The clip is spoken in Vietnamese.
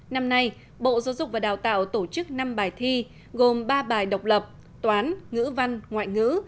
năm nay bộ giáo dục và đào tạo tổ chức năm bài thi gồm ba bài độc lập toán ngữ văn ngoại ngữ